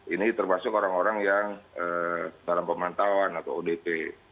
ini termasuk orang orang yang dalam pemantauan atau odp